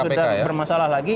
sudah bermasalah lagi